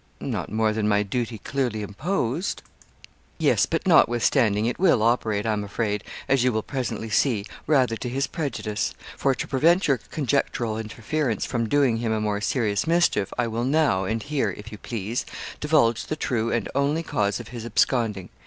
'Not more than my duty clearly imposed.' 'Yes; but notwithstanding it will operate, I'm afraid, as you will presently see, rather to his prejudice. For to prevent your conjectural interference from doing him a more serious mischief, I will now, and here, if you please, divulge the true and only cause of his absconding.